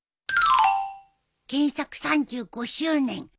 「原作３５周年！」